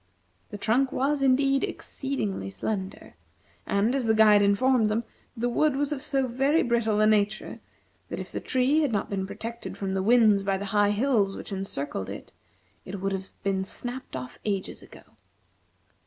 The trunk was, indeed, exceedingly slender, and, as the guide informed them, the wood was of so very brittle a nature that if the tree had not been protected from the winds by the high hills which encircled it, it would have been snapped off ages ago.